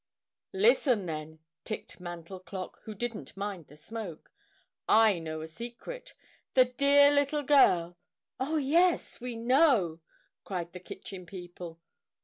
"Listen, then," ticked Mantel Clock, who didn't mind the smoke. "I know a secret: the dear little girl " "Oh, yes, we know!" cried the Kitchen People.